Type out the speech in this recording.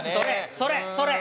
それそれ！